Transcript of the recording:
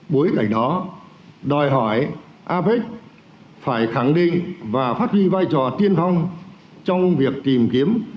bối cảnh đó đòi hỏi apec phải khẳng định và phát huy vai trò tiên phong trong việc tìm kiếm